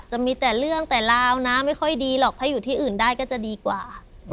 จะมีแต่เรื่องแต่ราวนะไม่ค่อยดีหรอกถ้าอยู่ที่อื่นได้ก็จะดีกว่า